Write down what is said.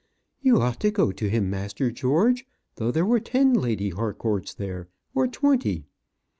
You ought to go to him, master George, though there were ten Lady Harcourts there or twenty."